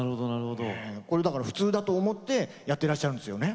これ、普通だと思ってやってらっしゃるんですよね。